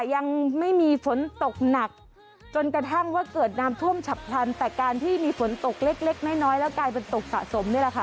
ยังไม่มีฝนตกหนักจนกระทั่งว่าเกิดน้ำท่วมฉับพลันแต่การที่มีฝนตกเล็กน้อยแล้วกลายเป็นตกสะสมนี่แหละค่ะ